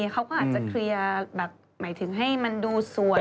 เขาก็อาจจะเคลียร์แบบหมายถึงให้มันดูสวย